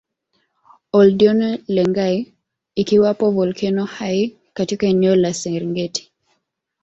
Ol Doinyo Lengai ikiwapo volkeno hai katika eneo la Serengeti